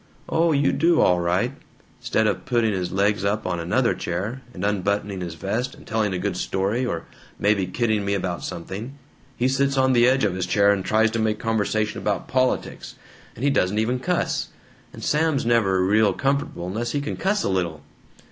"Oh, you do, all right! 'Stead of putting his legs up on another chair, and unbuttoning his vest, and telling a good story or maybe kidding me about something, he sits on the edge of his chair and tries to make conversation about politics, and he doesn't even cuss, and Sam's never real comfortable unless he can cuss a little!"